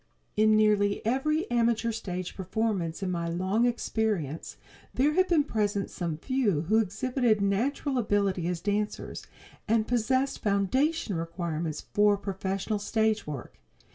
In nearly every amateur stage performance in my long experience there have been present some few who exhibited natural ability as dancers, and possessed foundation requirements for professional stage work.